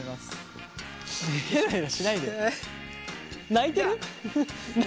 泣いてるの？